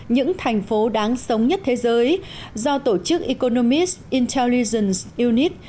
những thành phố đáng sống nhất thế giới do tổ chức economist intelligence unit